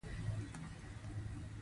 افغانستان د غرونه له پلوه متنوع دی.